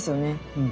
うん。